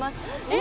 え！